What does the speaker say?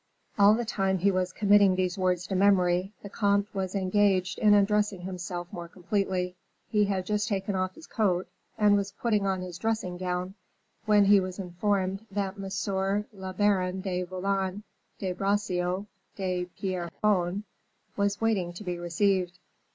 All the time he was committing these words to memory, the comte was engaged in undressing himself more completely. He had just taken off his coat, and was putting on his dressing gown, when he was informed that Monsieur le Baron du Vallon de Bracieux de Pierrefonds was waiting to be received.